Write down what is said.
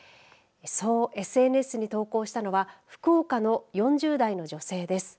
そうＳＮＳに投稿したのは福岡の４０代の女性です。